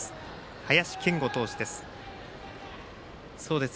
林謙吾投手です。